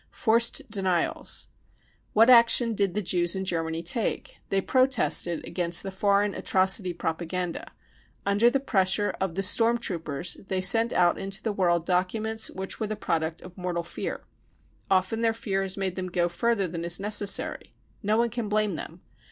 Forced Denials. What action did the Jews in Germany take ? They protested against the foreign " atrocity propa ganda. 55 Under the pressure of the storm troopers they sent out into the world documents which were the product of mortal fear. Often their fear has made them go further than was necessary. No one can blame them.